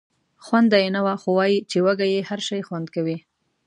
خونده یې نه وه خو وایي چې وږی یې هر شی خوند کوي.